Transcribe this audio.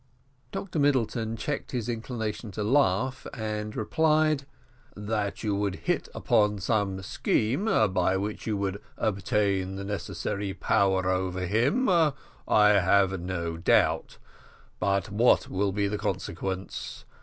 Dr Middleton checked his inclination to laugh, and replied, "That you would hit upon some scheme, by which you would obtain the necessary power over him, I have no doubt; but what will be the consequence?